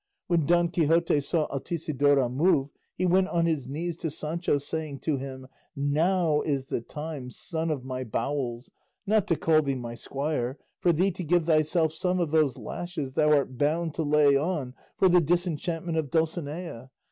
When Don Quixote saw Altisidora move, he went on his knees to Sancho saying to him, "Now is the time, son of my bowels, not to call thee my squire, for thee to give thyself some of those lashes thou art bound to lay on for the disenchantment of Dulcinea.